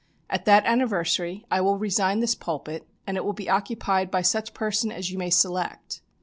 At that anniversary I will resign this pulpit, and it will be occupied by such person as you may select.